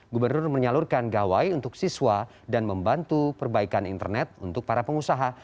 gubernur menyalurkan gawai untuk siswa dan membantu perbaikan internet untuk para pengusaha